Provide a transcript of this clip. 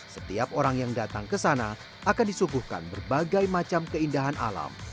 setiap orang yang datang ke sana akan disuguhkan berbagai macam keindahan alam